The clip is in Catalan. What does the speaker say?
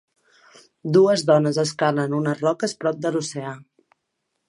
Dues dones escalen unes roques prop de l'oceà.